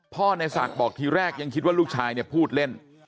ในศักดิ์บอกทีแรกยังคิดว่าลูกชายเนี่ยพูดเล่น